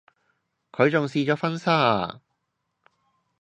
佢仲試咗婚紗啊